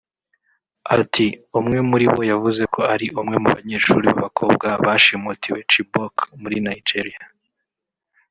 Ati ”Umwe muri bo yavuze ko ari umwe mu banyeshuri b’abakobwa bashimutiwe Chibok muri Nigeria